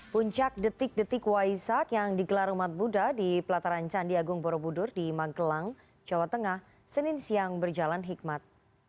puncak detik detik waisak yang digelar umat buddha di pelataran candi agung borobudur di magelang jawa tengah senin siang berjalan hikmat